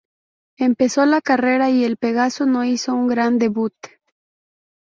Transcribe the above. Empezó la carrera y el Pegaso no hizo un gran debut.